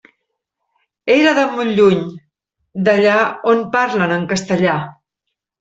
Era de molt lluny, d'allà on parlen en castellà.